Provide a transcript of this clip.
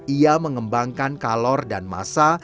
ia mengembangkan kalor dan masa